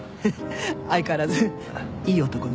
相変わらずいい男ね。